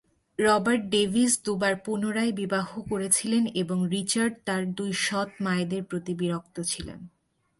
Robert Davis দু'বার পুনরায় বিবাহ করেছিলেন এবং রিচার্ড তার দুই সৎ মায়েদের প্রতি বিরক্ত ছিলেন।